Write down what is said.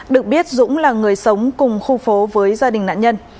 được biết dũng là người sống cùng khu phố với gia đình nạn nhân